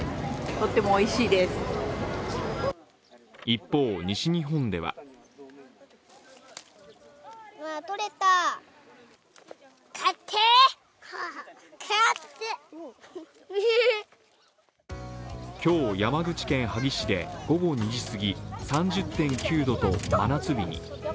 一方、西日本では今日、山口県萩市で午後２時すぎ、３０．９度と真夏日に。